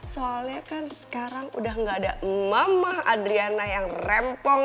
soalnya kan sekarang udah gak ada mama adriana yang rempong